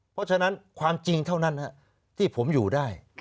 เพราะฉะนั้นความจริงเท่านั้นที่ผมอยู่ได้